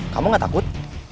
kamu gak takut